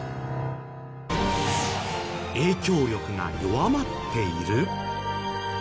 影響力が弱まっている！？